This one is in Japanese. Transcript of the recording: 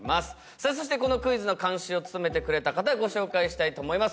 さあそしてこのクイズの監修を務めてくれた方ご紹介したいと思います。